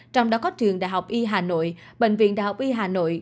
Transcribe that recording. trong đó có trường đại học y hà nội bệnh viện đại học y hà nội